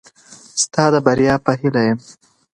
په دوامداره پاللو کې له ستونزو سره مخامخ دي؟